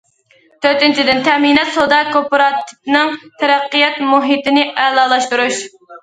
تۆتىنچىدىن، تەمىنات- سودا كوپىراتىپىنىڭ تەرەققىيات مۇھىتىنى ئەلالاشتۇرۇش.